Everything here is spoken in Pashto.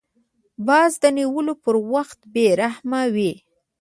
باز د نیولو پر وخت بې رحمه وي